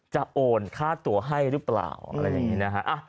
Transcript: โอนค่าตัวให้หรือเปล่าอะไรอย่างนี้นะฮะ